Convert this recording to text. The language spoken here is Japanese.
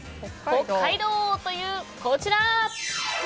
北海道というこちら。